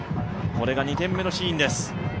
これが２点目のシーンです。